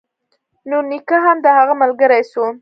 نو نيکه هم د هغه ملگرى سو.